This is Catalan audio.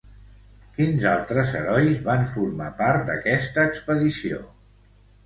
Quins altres herois van formar part d'aquesta expedició?